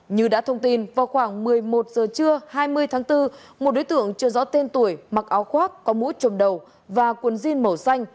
như đã thông tin vào khoảng một mươi một giờ trưa hai mươi tháng bốn một đối tượng chưa rõ tên tuổi mặc áo khoác có mũ trùm đầu và cuốn jean màu xanh